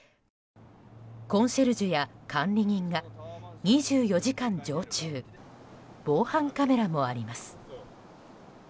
コンシェルジュや管理人が２４時間常駐防犯カメラもあります。